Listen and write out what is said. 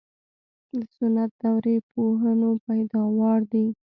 د سنت دورې پوهنو پیداوار دي.